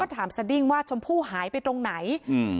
ถามสดิ้งว่าชมพู่หายไปตรงไหนอืม